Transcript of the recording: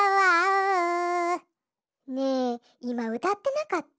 ねえいまうたってなかった？